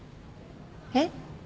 えっ？